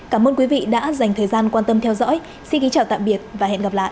cảm ơn quý vị đã dành thời gian quan tâm theo dõi xin kính chào tạm biệt và hẹn gặp lại